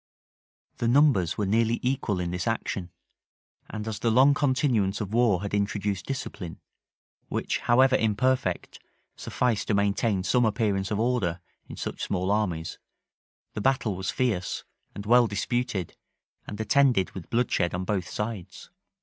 The numbers were nearly equal in this action; and as the long continuance of war had introduced discipline, which, however imperfect, sufficed to maintain some appearance of order in such small armies, the battle was fierce, and well disputed, and attended with bloodshed on both sides.